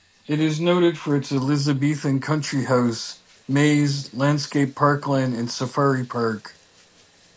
It is noted for its Elizabethan country house, maze, landscaped parkland and safari park.